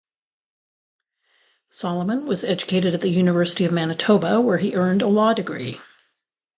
Solomon was educated at the University of Manitoba where he earned a law degree.